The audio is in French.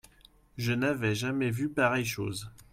Je n'avais jamais vu pareille chose.